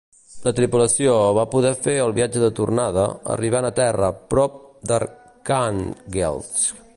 La tripulació va poder fer el viatge de tornada arribant a terra prop d'Arkhànguelsk.